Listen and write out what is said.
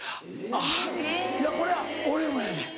あっいやこれは俺もやねん。